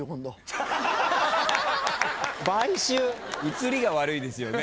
映りが悪いですよね